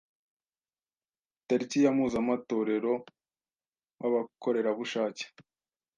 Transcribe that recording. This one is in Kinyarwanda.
Tariki ya Mpuzamatorero w’Abakorerabushake